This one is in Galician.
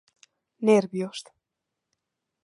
Nervios.